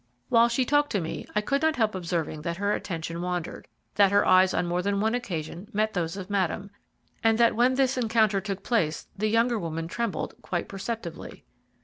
While she talked to me I could not help observing that her attention wandered, that her eyes on more than one occasion met those of Madame, and that when this encounter took place the younger woman trembled quite perceptibly.